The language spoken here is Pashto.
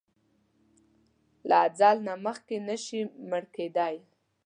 له اځل نه مخکې نه شې مړ کیدای!